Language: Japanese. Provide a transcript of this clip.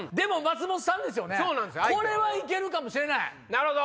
なるほど！